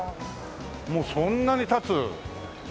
もうそんなに経つ？